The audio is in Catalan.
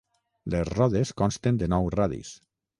Les rodes consten de nou radis.